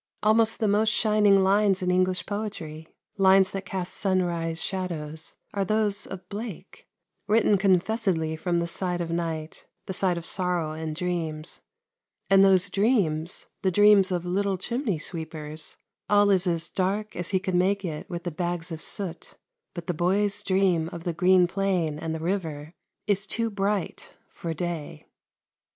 Almost the most shining lines in English poetry lines that cast sunrise shadows are those of Blake, written confessedly from the side of night, the side of sorrow and dreams, and those dreams the dreams of little chimney sweepers; all is as dark as he can make it with the "bags of soot"; but the boy's dream of the green plain and the river is too bright for day.